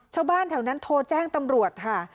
ชาวบ้านแถวนั้นโทรแจ้งตำรวจค่ะ